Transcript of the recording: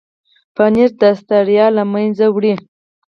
پنېر د ستړیا له منځه وړي.